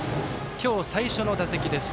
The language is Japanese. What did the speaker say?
今日、最初の打席です。